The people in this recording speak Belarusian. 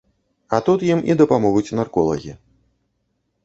А тут ім і дапамогуць нарколагі.